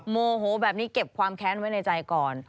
โมโหแบบนี้เก็บความแค้นไว้ในใจก่อน